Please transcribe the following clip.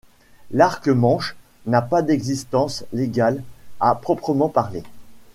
L’Arc Manche n’a pas d’existence légale à proprement parler.